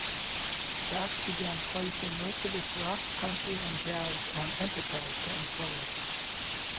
Stax began placing most of its rock, country and jazz on Enterprise going forward.